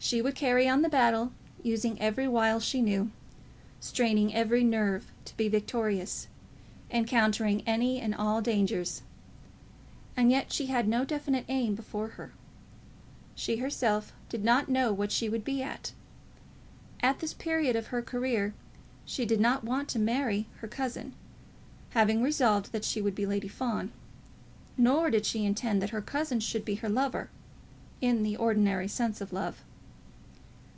She would carry on the battle, using every wile she knew, straining every nerve to be victorious, encountering any and all dangers, and yet she had no definite aim before her. She herself did not know what she would be at. At this period of her career she did not want to marry her cousin, having resolved that she would be Lady Fawn. Nor did she intend that her cousin should be her lover, in the ordinary sense of love.